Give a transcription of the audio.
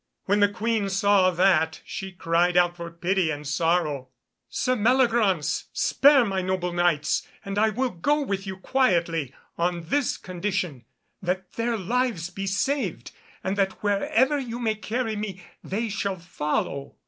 When the Queen saw that she cried out for pity and sorrow, "Sir Meliagraunce, spare my noble Knights and I will go with you quietly on this condition, that their lives be saved, and that wherever you may carry me they shall follow.